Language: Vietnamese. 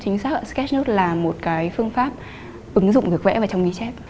chính xác ạ sketch note là một cái phương pháp ứng dụng được vẽ vào trong ghi chép